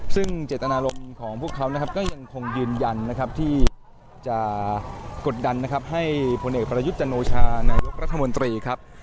ซึ่งเจตนารมณ์ของพวกเขานะครับก็ยังคงยืนยันนะครับที่จะกดดันนะครับให้ผลเอกประยุทธ์จันโอชานายกรัฐมนตรีครับ